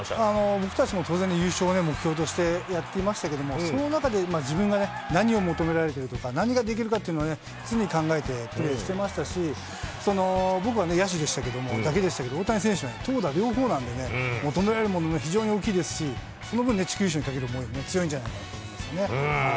僕たちも当然、優勝を目標としてやっていましたけれども、その中で自分がね、何を求められてるかとか、何ができるかっていうのを常に考えてプレーしてましたし、僕はね、野手でしたけども、野手だけでしたけども、大谷選手は投打両方なので、求められるものも非常に大きいですし、その分ね、にかける思い、強いんじゃないかと思いますね。